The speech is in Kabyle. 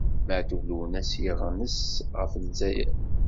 Matoub Lounes yeɣnes ɣef Lezzayer.